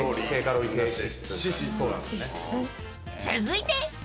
［続いて］